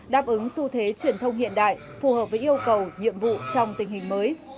đáp ứng xu thế truyền thông hiện đại phù hợp với yêu cầu nhiệm vụ trong tình hình mới